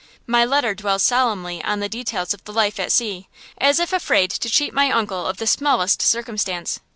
My letter dwells solemnly on the details of the life at sea, as if afraid to cheat my uncle of the smallest circumstance.